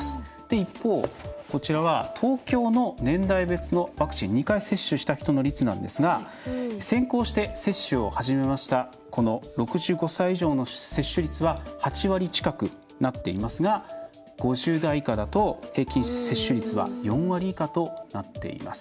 一方、東京の年代別のワクチン２回接種した人の率なんですが先行して接種を始めました６５歳以上の接種率は８割近くなっていますが５０代以下だと平均接種率は４割以下となっています。